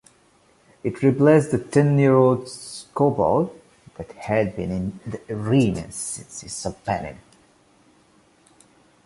It replaced the ten-year-old scoreboard that had been in the arena since its opening.